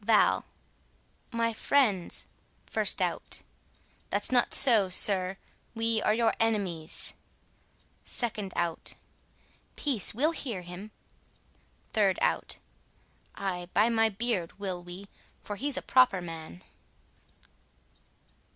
Val: My friends,— 1st Out: That's not so, sir, we are your enemies. 2d Out: Peace! we'll hear him. 3d Out: Ay, by my beard, will we; For he's a proper man.